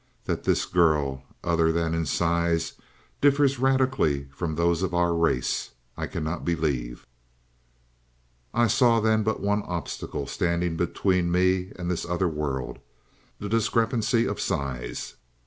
That this girl, other than in size, differs radically from those of our race, I cannot believe. "I saw then but one obstacle standing between me and this other world the discrepancy of size.